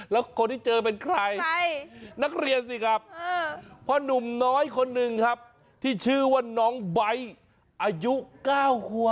แล้วคนที่เจอเป็นใครนักเรียนสิครับเพราะหนุ่มน้อยคนหนึ่งครับที่ชื่อว่าน้องไบท์อายุ๙ขวบ